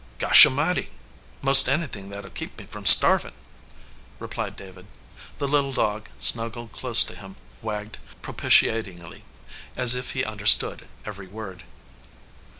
"Gosh a mighty! Most anythin that 11 keep me from starvin ," replied David. The little dog, snuggled close to him, wagged propitiatingly, as if he understood every word.